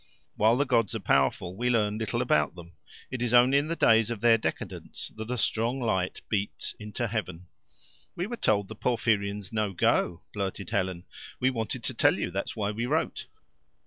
While the gods are powerful, we learn little about them. It is only in the days of their decadence that a strong light beats into heaven. "We were told the Porphyrion's no go," blurted Helen. "We wanted to tell you; that's why we wrote."